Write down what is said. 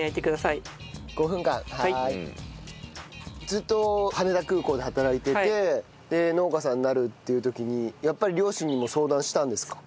ずっと羽田空港で働いててで農家さんになるっていう時にやっぱり両親にも相談したんですか？